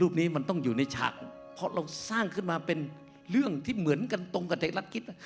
นี้มันต้องอยู่ในฉากเพราะเราสร้างขึ้นมาเป็นเรื่องที่เหมือนกันตรงกับเด็กรัฐคิด